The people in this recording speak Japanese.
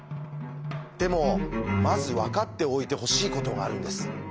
でもまず分かっておいてほしいことがあるんです。